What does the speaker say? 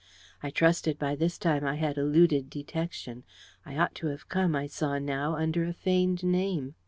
I trusted by this time I had eluded detection. I ought to have come, I saw now, under a feigned name.